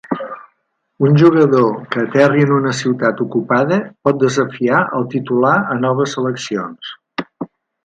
Un jugador que aterri en una ciutat ocupada pot desafiar el titular a noves eleccions.